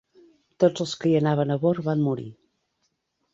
Tots els que hi anaven a bord van morir.